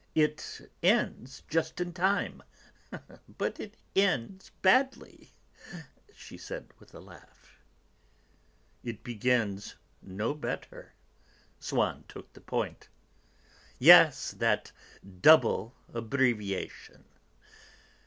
It ends just in time, but it ends badly!" she said with a laugh. "It begins no better." Swann took the point. "Yes; that double abbreviation!"